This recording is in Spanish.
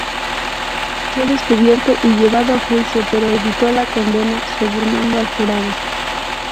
Fue descubierto y llevado a juicio, pero evitó la condena sobornando al jurado.